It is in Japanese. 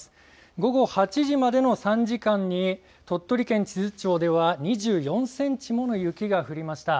午後８時までの３時間に鳥取県智頭町では２４センチもの雪が降りました。